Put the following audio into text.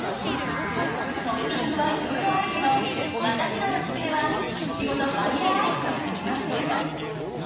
トッピングはいろいろあるけど私のおすすめはイチゴとバニラアイスの組み合わせかな。